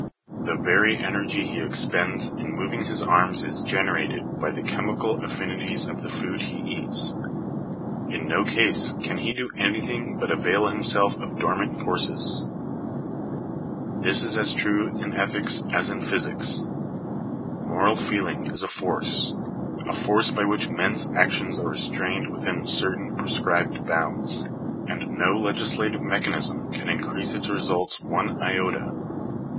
The very energy he expends in moving his arm is generated by the chemical affinities of the food he eats. In no case can he do anything but avail himself of dormant forces. .Digitized by Google 268 THE DUTY OF THE STATE. < This is as true in ethics as in physics. Moral feeling is a \ force — a force by which men's actions are restrained within certain prescribed bounds; and no legislative mechanism can increase its results one iota.